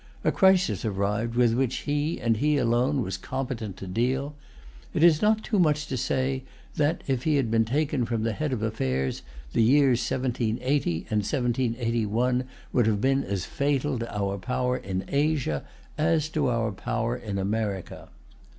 A crisis arrived with which he, and he alone, was competent to deal. It is not too much to say that, if he had been taken from the head of affairs, the years 1780 and 1781 would have been as fatal to our power in Asia as to our power in America.